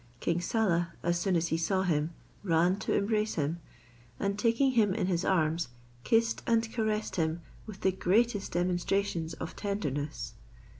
King Saleh as soon as he saw him, ran to embrace him, and taking him in his arms, kissed and caressed him with the greatest demonstrations of tenderness.